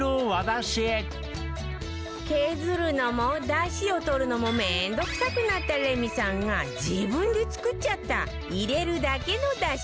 削るのも出汁を取るのも面倒くさくなったレミさんが自分で作っちゃった入れるだけの出汁パック